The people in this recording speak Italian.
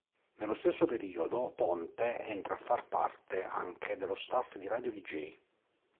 Nello stesso periodo Ponte entra a far parte anche dello staff di Radio DeeJay.